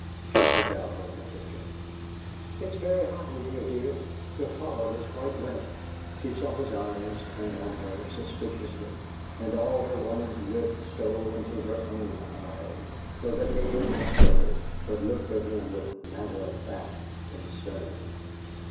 She took out her handkerchief. "It's very hot in here, dear; your forehead is quite wet!" She saw his eyes turn on her suspiciously, and all her woman's wit stole into her own eyes, so that they did not flicker, but looked at him with matter of fact concern.